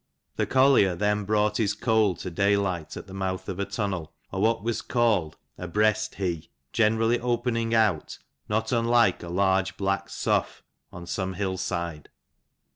The collier then brought his coal to day light at the mouth of a tunnel, or what was called " a breast hee, generally opening out, not unlike a large black sough, on some hill side.